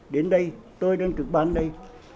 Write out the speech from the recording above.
đến đây tôi đang trực ban đây